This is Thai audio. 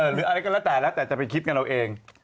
หรืออะไรก็แล้วแต่จะไปคิดกันเราเอง